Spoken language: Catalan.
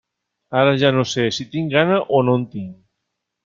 Ara ja no sé si tinc gana o no en tinc.